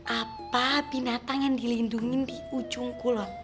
apa binatang yang dilindungi di ujung kulon